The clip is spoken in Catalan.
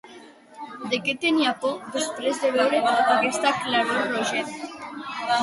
De què tenia por després de veure aquesta claror rogent?